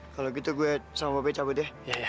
kalo gitu gue sama pak rt cabut ya